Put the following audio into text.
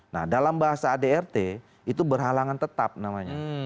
nah dalam bahasa adrt itu berhalangan tetap namanya